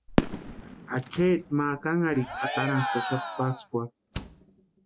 Acheeti ma kanharhikwa atarantaxapti pʼaskwarhu.